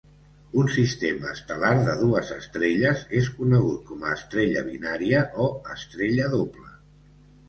Un sistema estel·lar de dues estrelles és conegut com a estrella binària, o estrella doble.